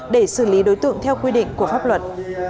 để xử lý đối tượng theo quy định của pháp luật